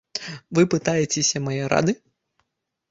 Вы пытаецеся мае рады?